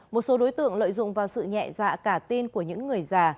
một số đối tượng lợi dụng vào sự nhẹ dạ cả tin của những người già